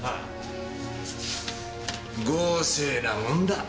豪勢なもんだ。